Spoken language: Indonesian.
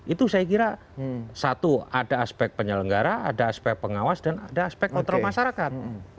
itu saya kira satu ada aspek penyelenggara ada aspek pengawas dan ada aspek kontrol masyarakat